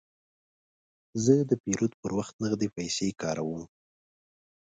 زه د پیرود پر وخت نغدې پیسې کاروم.